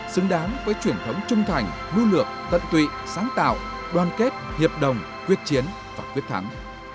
xứng đáng với truyền thống trung thành nu lược tận tụy sáng tạo đoàn kết hiệp đồng quyết chiến và quyết thắng